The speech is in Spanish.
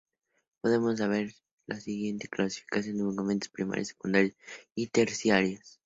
Podemos hacer la siguiente clasificación: documentos primarios, secundarios, y terciarios.